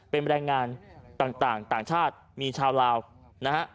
เป็นแบรนด์งานต่างต่างต่างชาติมีชาวลาวนะฮะ